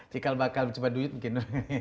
jika bakal di cibaduyut mungkin